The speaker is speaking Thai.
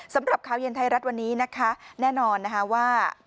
สำหรับข่าวเย็นไทยรัฐวันนี้นะคะแน่นอนนะคะว่า